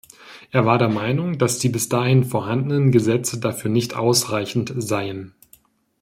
Er war der Meinung, dass die bis dahin vorhandenen Gesetze dafür nicht ausreichend seien.